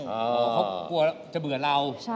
เขากลัวจะเบื่อเรา